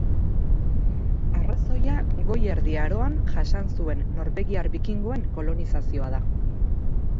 Arrazoia Goi Erdi Aroan jasan zuen norvegiar bikingoen kolonizazioa da.